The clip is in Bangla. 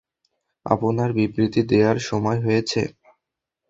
আপনার বিবৃতি দেয়ার সময় হয়েছে।